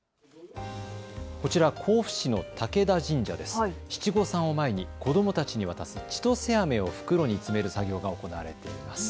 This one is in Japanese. こちら甲府市の武田神社で七五三を前に子どもたちに渡すちとせあめを袋に詰める作業が行われています。